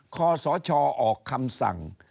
ขอสชออกคำสั่ง